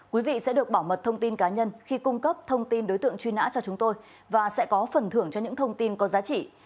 quý vị sẽ được bảo mật thông tin cá nhân khi cung cấp thông tin đối tượng truy nã cho chúng tôi và sẽ có phần thưởng cho những thông tin có giá trị